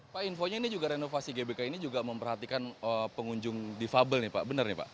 pak infonya ini juga renovasi gbk ini juga memperhatikan pengunjung difabel nih pak benar nih pak